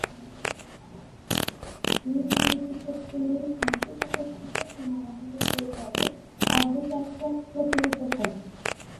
তিনি সীমিত শক্তি নিয়েই সাহসিকতার সঙ্গে সেনাবাহিনীর ওই দলের অগ্রযাত্রা প্রতিহত করেন।